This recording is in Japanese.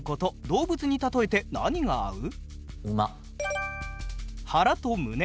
動物に例えて「何が合う」？